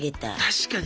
確かに。